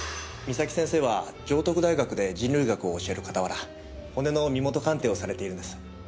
岬先生は城徳大学で人類学を教える傍ら骨の身元鑑定をされているんです。